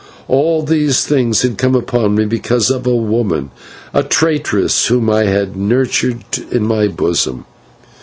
All these things had come upon me because of a woman, a traitress, whom I had nurtured in my bosom.